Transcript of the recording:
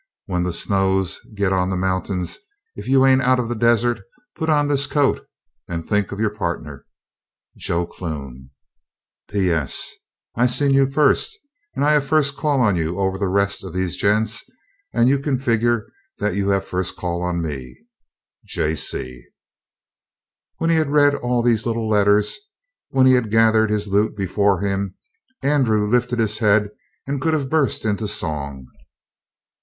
When the snows get on the mountains if you aint out of the desert put on this coat and think of your partner, JOE CLUNE. P.S. I seen you first, and I have first call on you over the rest of these gents and you can figure that you have first call on me. J.C. When he had read all these little letters, when he had gathered his loot before him, Andrew lifted his head and could have burst into song.